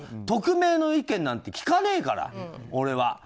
匿名の意見なんて聞かねえから俺は。